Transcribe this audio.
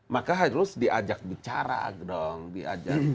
maka harus diajak bicara dong diajak